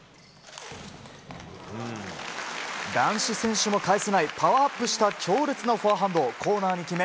男子選手も返せないパワーアップした強烈なフォアハンドをコーナーに決め